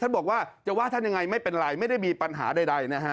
บอกว่าจะว่าท่านยังไงไม่เป็นไรไม่ได้มีปัญหาใดนะฮะ